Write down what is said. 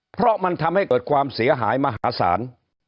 เพราะมันทำให้เกิดความเสียหายมหาศาล